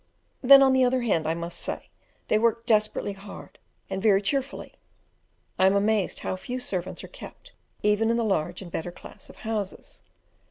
Then, on the other hand, I must say they work desperately hard, and very cheerfully: I am amazed how few servants are kept even in the large and better class of houses.